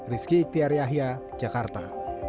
rizky iktiar yahya jakarta